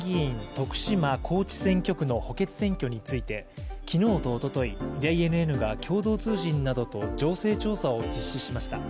徳島高知選挙区の補欠選挙について昨日とおとといＪＮＮが共同通信などと情勢調査を実施しました。